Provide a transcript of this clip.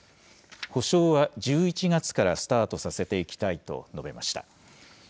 補償は１１月からスタートさせていきたいと述べました。